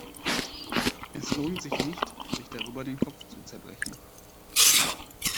Es lohnt sich nicht, sich darüber den Kopf zu zerbrechen.